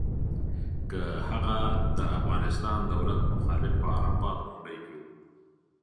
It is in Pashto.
که هغه د افغانستان دولت مخالف په عرفات غونډۍ کې و.